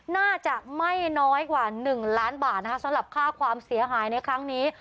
น่าจะไม่น้อยกว่า๑ล้านบาทนะคะสำหรับค่าความเสียหายในครั้งนี้